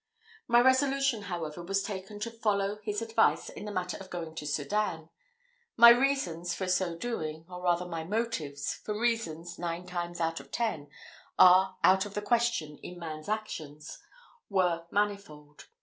My resolution, however, was taken to follow his advice in the matter of going to Sedan. My reasons for so doing or rather my motives, for reasons, nine times in ten, are out of the question in man's actions were manifold.